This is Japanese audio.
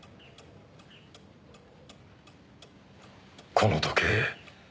この時計